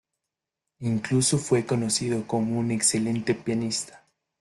Incluso fue conocido como un excelente pianista.